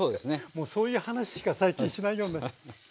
もうそういう話しか最近しないようになって。